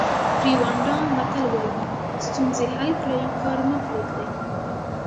ریوانډا متل وایي ستونزې حل کړئ کار مه پریږدئ.